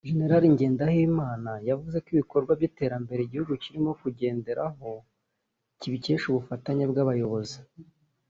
Gen Ngendahimana yavuze ko ibikorwa by’iterambere igihugu kirimo kugeraho kibikesha ubufatanye bw’abayobozi